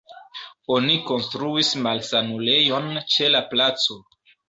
Oni konstruis malsanulejon ĉe la placo.